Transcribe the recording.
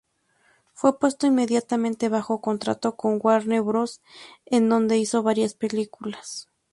Fue puesto inmediatamente bajo contrato con Warner Bros., en donde hizo varias películas.